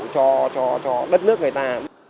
cho đất nước người ta